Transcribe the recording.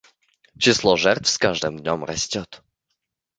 Число жертв с каждым днем растет.